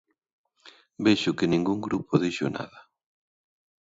Vexo que ningún grupo dixo nada.